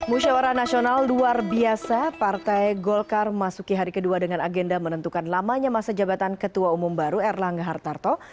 musyawara nasional luar biasa partai golkar masuki hari kedua dengan agenda menentukan lamanya masa jabatan ketua umum baru erlangga hartarto